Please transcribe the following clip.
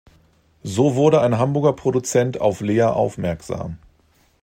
So wurde ein Hamburger Produzent auf Lea aufmerksam.